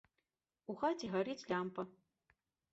У хаце гарыць лямпа.